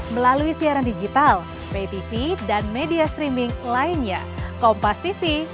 saya audrey chandra saksikan program program kompas tv